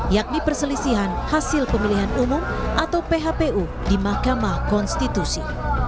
yakni perselisihan hasil pemilihan umum atau phpu di mahkamah konstitusi